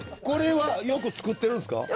これはよく作ってるんすか？